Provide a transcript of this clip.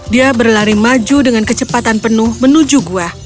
dia berlari maju dengan kecepatan penuh menuju gua